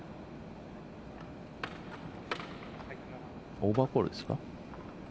オーバーコールですか？